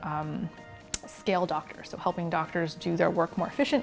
jadi membantu dokter untuk melakukan kerja mereka dengan lebih efisien